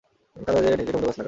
কাদা দিয়ে ঢেকে টমেটো গাছ লাগা।